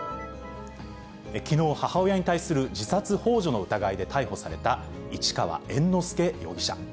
きのう、母親に対する自殺ほう助の疑いで逮捕された、市川猿之助容疑者。